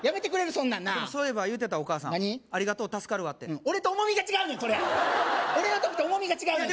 そんなんそういえば言うてたお母さんありがとう助かるわって俺と重みが違うねんそれ俺の時と重みが違うのよ